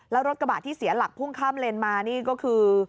แล้วรถกระบะที่เสียหลักพุ่งข้ามเลนมานี่ก็คือ